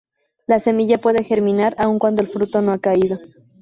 La semilla puede germinar aún cuando el fruto no ha caído.